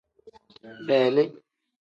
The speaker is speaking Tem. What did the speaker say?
Beeli.